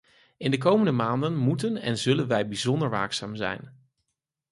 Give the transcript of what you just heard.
In de komende maanden moeten en zullen wij bijzonder waakzaam zijn.